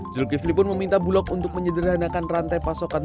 zulkifli pun meminta bulog untuk menyederhanakan rantai pasokan